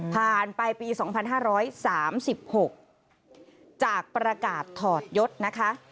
ผ่านไปปี๒๕๓๖จากประกาศถอดยศนะคะ